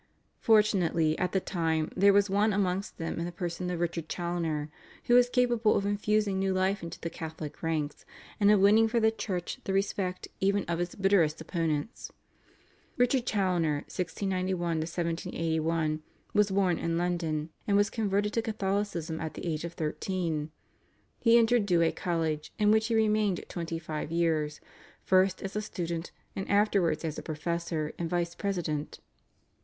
Fortunately at the time there was one amongst them in the person of Richard Challoner, who was capable of infusing new life into the Catholic ranks and of winning for the Church the respect even of its bitterest opponents. Richard Challoner (1691 1781) was born in London, and was converted to Catholicism at the age of thirteen. He entered Douay College, in which he remained twenty five years, first as a student and afterwards as a professor, and vice president.